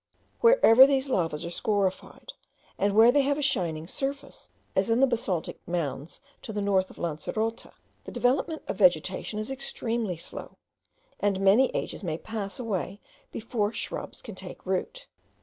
Wherever these lavas are scorified, and where they have a shining surface, as in the basaltic mounds to the north of Lancerota, the development of vegetation is extremely slow, and many ages may pass away before shrubs can take root.